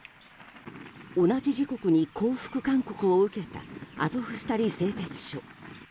同じ時刻に降伏勧告を受けたアゾフスタリ製鉄所。